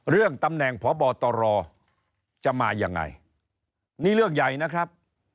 เรื่องตำแหน่งพบตรจะมายังไงนี่เรื่องใหญ่นะครับ